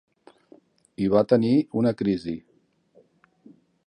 I va tenir una crisi.